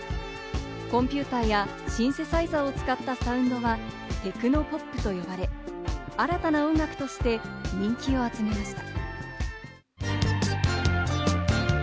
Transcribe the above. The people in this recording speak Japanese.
コンピューターやシンセサイザーを使ったサウンドは、テクノポップと呼ばれ、新たな音楽として人気を集めました。